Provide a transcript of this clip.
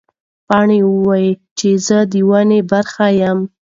پاڼه وایي چې زه د ونې برخه یم.